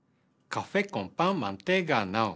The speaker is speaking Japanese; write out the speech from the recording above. カフェコンパンマンティガノン。